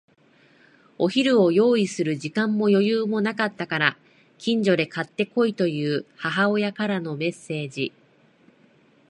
お昼を用意する時間も余裕もなかったから、近所で買って来いという母親からのメッセージ。